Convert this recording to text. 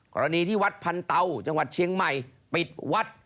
กรณีที่วัดพันเตาจังหวัดเชียงใหม่ปิดวัด